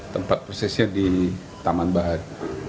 tempat prosesnya di taman bahan